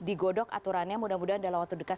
digodok aturannya mudah mudahan dalam waktu dekat